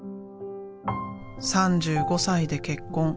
３５歳で結婚。